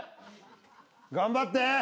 頑張って！